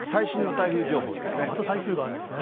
また台風があるんですね。